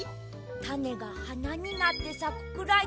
たねがはなになってさくくらいかな。